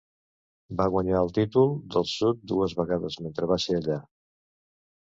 Va guanyar el títol del Sud dues vegades mentre va ser allà.